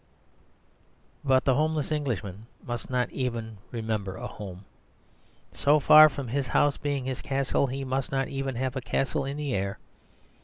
But the homeless Englishman must not even remember a home. So far from his house being his castle, he must not have even a castle in the air.